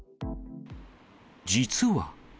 実は。